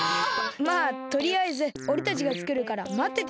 まあとりあえずおれたちがつくるからまってて。